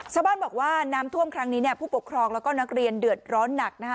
ชาวบ้านบอกว่าน้ำท่วมครั้งนี้ผู้ปกครองแล้วก็นักเรียนเดือดร้อนหนักนะคะ